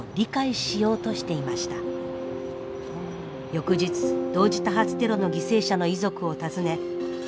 翌日同時多発テロの犠牲者の遺族を訪ね痛みを共有。